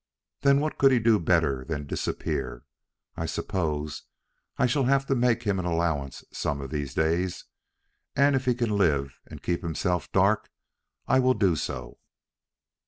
"Then what could he do better than disappear? I suppose I shall have to make him an allowance some of these days, and if he can live and keep himself dark I will do so."